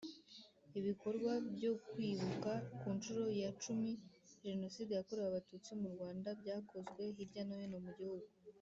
Ibikorwa byo kwibuka ku nshuro ya cumi Jenoside yakorewe Abatutsi mu Rwanda byakozwe hirya no hino mu gihugu